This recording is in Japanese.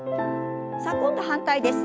さあ今度反対です。